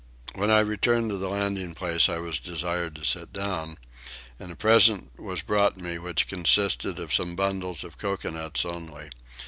When I returned to the landing place I was desired to sit down and a present was brought me which consisted of some bundles of coconuts only.